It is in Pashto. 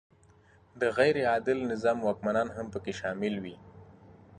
د غیر عادل نظام واکمنان هم پکې شامل وي.